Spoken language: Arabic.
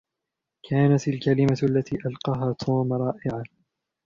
كانت الكلمة التي ألقاها توم رائعة.